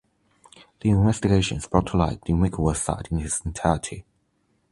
The investigations brought to light the Mikvah site in its entirety.